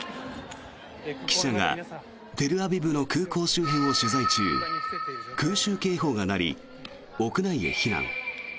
記者がテルアビブの空港周辺を取材中空襲警報が鳴り屋内へ避難。